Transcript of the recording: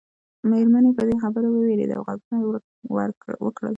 مېرمنې په دې خبره ووېرېدې او غږونه یې وکړل.